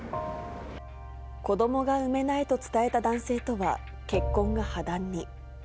子どもが産めないと伝えた男性とは、結婚が破談に。